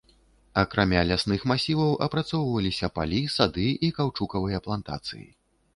Акрамя лясных масіваў апрацоўваліся палі, сады і каўчукавыя плантацыі.